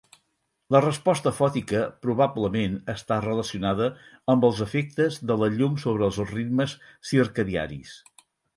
La resposta fòtica probablement està relacionada amb els efectes de la llum sobre els ritmes circadiaris.